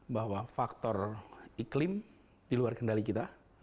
bahwa faktor iklim di luar kendali kita